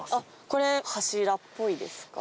これ柱っぽいですか？